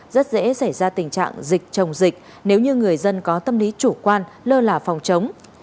rất dễ xảy ra tình trạng dịch chồng dịch nếu như người dân có tâm lý chủ quan lơ là phòng chống